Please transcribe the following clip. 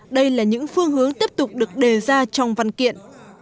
đây là những phương hướng tiếp tục được đề ra trong văn kiện